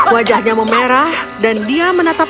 wajahnya memerah dan dia menatap